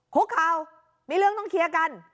คุกเข่ามีเรื่องต้องเคลียร์กัน